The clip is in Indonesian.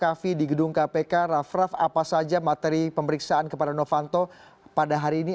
raff di gedung kpk raff raff apa saja materi pemeriksaan kepada novanto pada hari ini